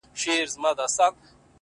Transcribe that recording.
خپل دې يمه گرانه خو پردی نه يمه-